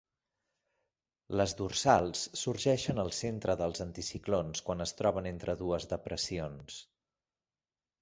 Les dorsals sorgeixen al centre dels anticiclons quan es troben entre dues depressions.